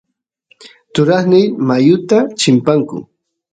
turasniy mayuta chimpanku